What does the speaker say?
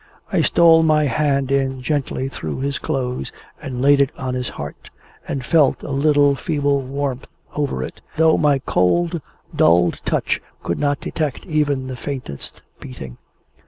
I stole my hand in gently through his clothes and laid it on his heart, and felt a little feeble warmth over it, though my cold dulled touch could not detect even the faintest beating.